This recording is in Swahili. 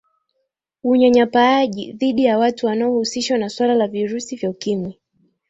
unyanyapaaji dhidi ya watu wanaohusishwa na suala la virusi vya ukimwi